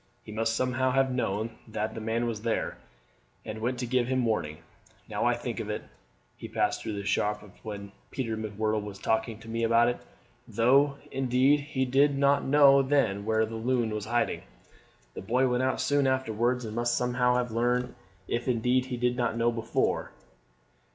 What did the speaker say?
He must somehow have known that man was there, and went to give him warning. Now I think of it, he passed through the shop when Peter M'Whirtle was talking to me about it, though, indeed, he did not know then where the loon was in hiding. The boy went out soon afterwards, and must somehow have learned, if indeed he did not know before.